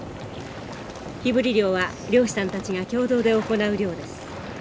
火ぶり漁は漁師さんたちが共同で行う漁です。